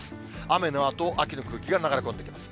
雨のあと、秋の空気が流れ込んできます。